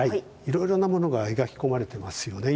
いろいろなものが描き込まれてますよね